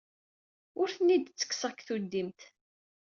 Ur ten-id-ttekkseɣ seg tuddimt.